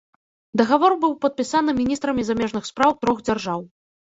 Дагавор быў падпісаны міністрамі замежных спраў трох дзяржаў.